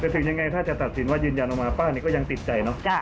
แต่ถึงยังไงถ้าจะตัดสินว่ายืนยันออกมาป้านี่ก็ยังติดใจเนอะ